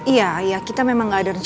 iya iya kita memang gak ada rencana